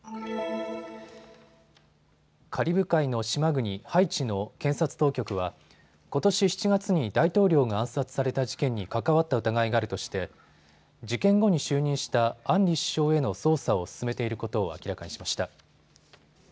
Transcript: カリブ海の島国ハイチの検察当局はことし７月に大統領が暗殺された事件に関わった疑いがあるとして事件後に就任したアンリ首相への捜査を進めていることを明らかにしました。